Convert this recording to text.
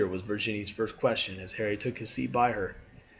was Virginie's first question as Harry took his seat by her.